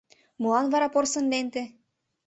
- Молан вара порсын ленте?